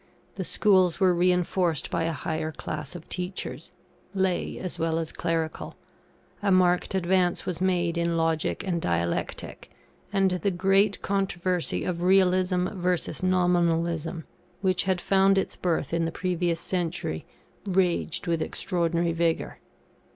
The schools were reinforced by a higher class of teachers, Lay as well as Clerical; a marked advance was made in Logic and Dialectic; and the great controversy of Realism versus Nominalism, which had found its birth in the previous century, raged with extraordinary vigour.